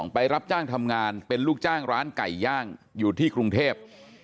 ไปรับจ้างทำงานเป็นลูกจ้างร้านไก่ย่างอยู่ที่กรุงเทพ